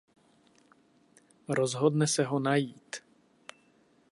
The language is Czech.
Rozhodne se ho najít.